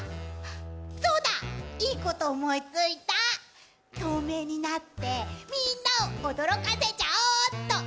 そうだ、いいこと思いついた透明になってみんなを驚かせちゃおっと。